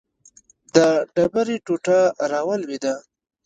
د ډبرې ټوټه راولوېده.